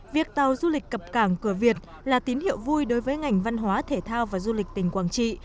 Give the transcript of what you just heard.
việc tàu du lịch cập cảng cửa việt là tín hiệu vui đối với ngành văn hóa thể thao và du lịch tỉnh quảng trị